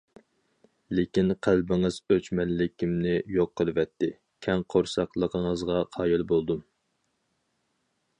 لېكىن قەلبىڭىز ئۆچمەنلىكىمنى يوق قىلىۋەتتى، كەڭ قورساقلىقىڭىزغا قايىل بولدۇم.